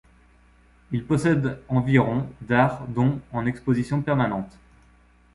Il possède environ d'art dont en exposition permanente.